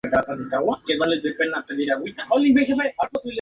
La universidad lleva el título de "Libertador" en honor a Simón Bolívar.